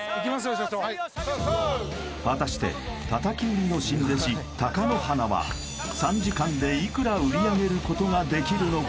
社長果たして叩き売りの新弟子貴乃花は３時間でいくら売り上げることができるのか？